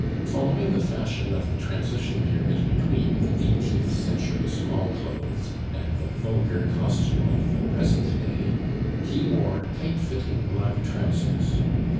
Following the fashion of the transition period between the eighteenth century small clothes and the vulgar costume of the present day, he wore tight fitting black trousers.